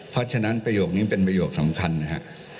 เพราะฉะนั้นประโยคนี้เป็นประโยคสำคัญนะครับ